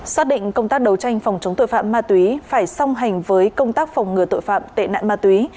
xác định công tác đấu tranh phòng chống tội phạm ma túy phải song hành với công tác phòng ngừa tội phạm tệ nạn ma túy